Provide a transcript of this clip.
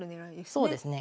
そうですね。